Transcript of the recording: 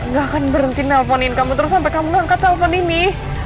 aku enggak akan berhenti nelfonin kamu terus sampai kamu angkat telpon ini